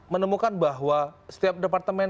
menemukan bahwa setiap departemen